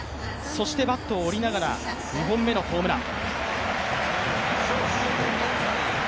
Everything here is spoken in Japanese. そしてバットを折りながら２本目のホームラン。